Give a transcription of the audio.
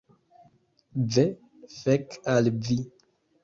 Ve, fek al vi!